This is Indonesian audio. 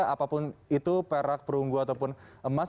apapun itu perak perunggu ataupun emas